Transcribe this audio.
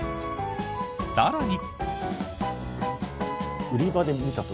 更に。